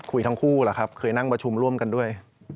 ทั้งคู่แหละครับเคยนั่งประชุมร่วมกันด้วย